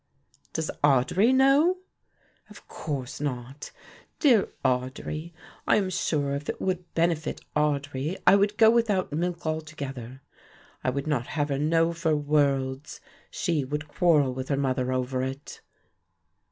"Does Audry know?" "Of course not, dear Audry, I am sure if it would benefit Audry I would go without milk altogether. I would not have her know for worlds; she would quarrel with her mother over it."